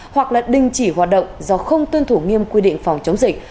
hoặc là đình chỉ hoạt động do không tuân thủ nghiêm quy định phòng chống dịch